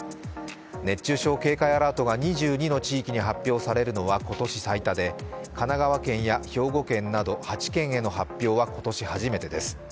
熱中症警戒アラートが２２の地域に発表されるのは今年最多で神奈川県や兵庫県など８県への発表は今年初めてです。